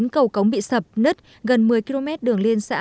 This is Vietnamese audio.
một mươi chín cầu cống bị sập nứt gần một mươi km đường liên xã